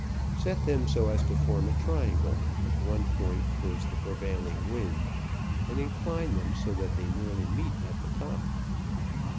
Set them so as to form a triangle, with one point towards the prevailing wind, and incline them so that they nearly meet at the top.